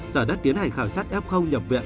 sở đất tiến hành khảo sát f nhập viện